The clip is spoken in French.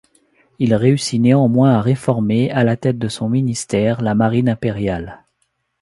Il réussit néanmoins à réformer, à la tête de son ministère, la marine impériale.